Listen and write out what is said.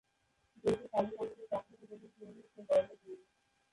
দেশে স্বাদু পানিতে চাষ উপযোগী চিংড়ি হচ্ছে গলদা চিংড়ি।